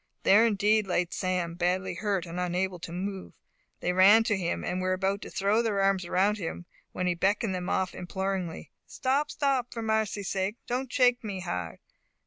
There indeed lay Sam, badly hurt and unable to move. They ran to him, and were about to throw their arms around him, when he beckoned them off imploringly, and said, "Stop! stop! for marcy sake don't shake me hard.